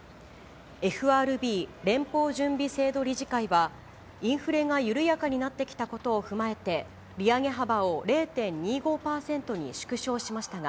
ＦＲＢ・連邦準備制度理事会は、インフレが緩やかになってきたことを踏まえて、利上げ幅を０．２５％に縮小しましたが、